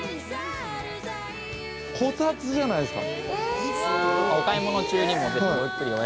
◆こたつじゃないですか。